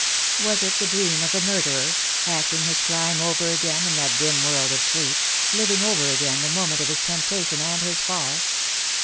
Was it the dream of a murderer, acting his crime over again in that dim world of sleep, living over again the moment of his temptation and his fall